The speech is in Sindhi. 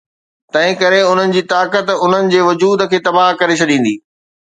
تنهنڪري انهن جي طاقت انهن جي وجود کي تباهه ڪري ڇڏيندي.